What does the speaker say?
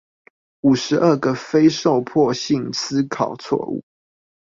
五十二個非受迫性思考錯誤